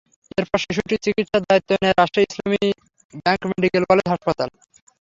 এরপর শিশুটির চিকিৎসার দায়িত্ব নেয় Rajshahi Islami bank medical college হাসপাতাল।